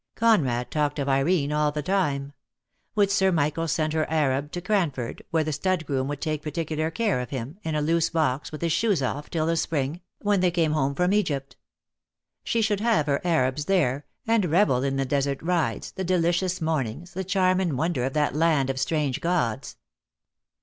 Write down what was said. Conrad talked of Irene all the time. Would Sir Michael send her Arab to Cranford, where the stud groom would take particular care of him, in a loose box, with his shoes off, till the spring, when 2 66 DEAD LOVE HAS CHAINS. they came home from Egypt. She should have her Arabs there, and revel in the desert rides, the delicious mornings, the charm and wonder of that land of strange gods.